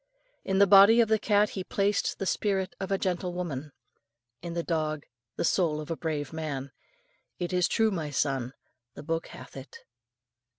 In the body of the cat He placed the spirit of a gentle woman; in the dog the soul of a brave man. It is true, my son; the book hath it."